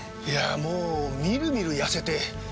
いやもうみるみる痩せて。